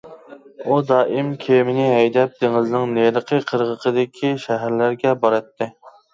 ئۇ دائىم كېمىنى ھەيدەپ دېڭىزنىڭ نېرىقى قىرغىقىدىكى شەھەرلەرگە باراتتى.